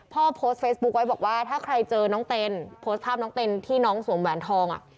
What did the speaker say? โพสต์เฟซบุ๊คไว้บอกว่าถ้าใครเจอน้องเต้นโพสต์ภาพน้องเต้นที่น้องสวมแหวนทองอ่ะ